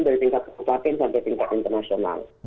dari tingkat kabupaten sampai tingkat internasional